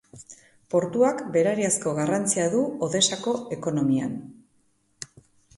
Portuak berariazko garrantzia du Odesako ekonomian.